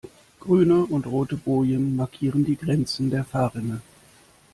Grüne und rote Bojen markieren die Grenzen der Fahrrinne.